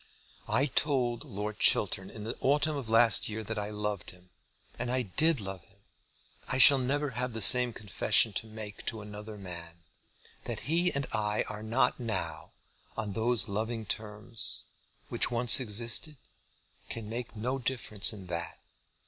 I told Lord Chiltern in the autumn of last year that I loved him. And I did love him. I shall never have the same confession to make to another man. That he and I are not now, on those loving terms, which once existed, can make no difference in that.